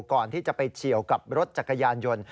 ก่อนที่จะไปเฉียวกับรถจักรยานยนต์